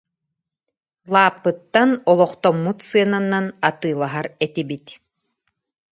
Лааппыттан олохтоммут сыананан атыылаһар этибит.